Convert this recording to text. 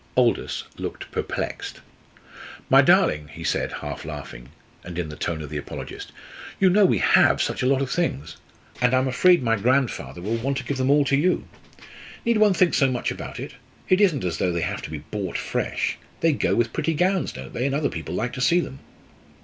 Aldous looked perplexed. "My darling!" he said, half laughing, and in the tone of the apologist, "You know we have such a lot of things. And I am afraid my grandfather will want to give them all to you. Need one think so much about it? It isn't as though they had to be bought fresh. They go with pretty gowns, don't they, and other people like to see them?"